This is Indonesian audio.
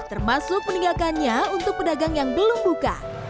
termasuk meninggalkannya untuk pedagang yang belum buka